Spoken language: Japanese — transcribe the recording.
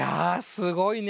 すごいね。